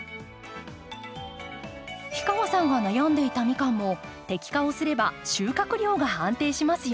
氷川さんが悩んでいたミカンも摘果をすれば収穫量が安定しますよ。